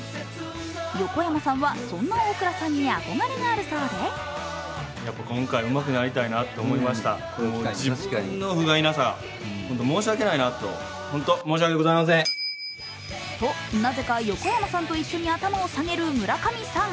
横山さんは、そんな大倉さんに憧れがあるそうでと、なぜか横山さんと一緒に頭を下げる村上さん。